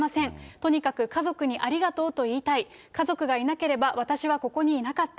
とにかく家族にありがとうと言いたい、家族がいなければ私はここにいなかった。